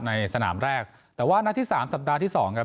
ในสนามแรกแต่ว่านัดที่สามสัปดาห์ที่สองครับ